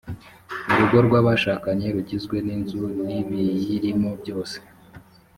urugo rw’abashakanye rugizwe n’inzu n’ibiyirimo byose